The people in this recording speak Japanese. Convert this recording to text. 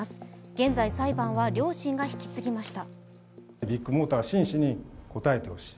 現在、裁判は両親が引き継ぎました。